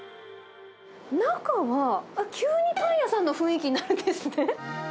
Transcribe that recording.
中は、急にパン屋さんの雰囲気になるんですね。